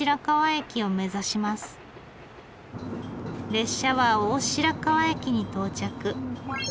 列車は大白川駅に到着。